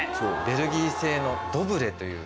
ベルギー製のドブレという。